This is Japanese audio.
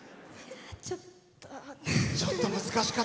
ちょっと。